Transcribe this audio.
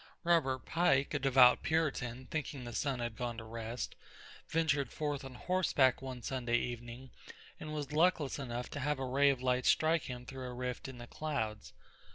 Robert Pike, a devout Puritan, thinking the sun had gone to rest, ventured forth on horseback one Sunday evening and was luckless enough to have a ray of light strike him through a rift in the clouds.